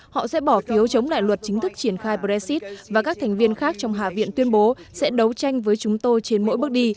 họ sẽ bỏ phiếu chống lại luật chính thức triển khai brexit và các thành viên khác trong hạ viện tuyên bố sẽ đấu tranh với chúng tôi trên mỗi bước đi